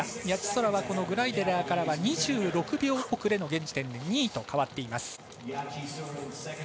谷地宙はグライデラーからは２６秒遅れの現時点で２位へと変わっています。